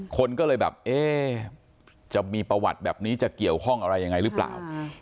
คนก็เลยแบบจะมีประวัติแบบนี้จะเกี่ยวข้องอะไรรึเปล่า